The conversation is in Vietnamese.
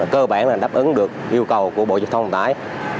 cơ bản là đáp ứng được yêu cầu của bộ dịch vụ thông tải